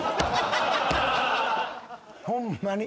ホンマに。